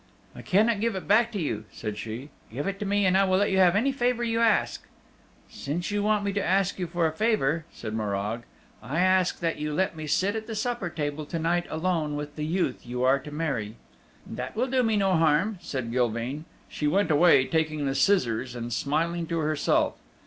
"I cannot give it back to you," said she. "Give it to me, and I will let you have any favor you ask." "Since you want me to ask you for a favor," said Morag, "I ask that you let me sit at the supper table to night alone with the youth you are to marry." "That will do me no harm," said Gilveen. She went away, taking the scissors and smiling to herself.